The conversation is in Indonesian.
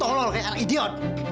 anda kalau bicara jaga ya